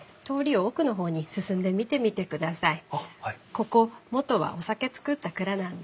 ここ元はお酒造った蔵なんです。